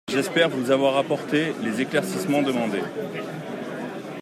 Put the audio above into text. J’espère vous avoir apporté les éclaircissements demandés.